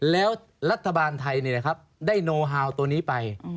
แล้วรัฐบาลไทยได้โนฮาวตัวนี้ไป